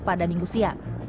pada minggu siang